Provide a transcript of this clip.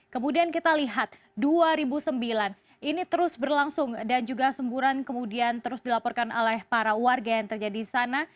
kemudian kita lihat dua ribu sembilan ini terus berlangsung dan juga semburan kemudian terus dilaporkan oleh para warga yang terjadi di sana